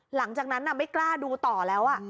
หลังจากนั้นไม่กล้าดูต่อแล้ว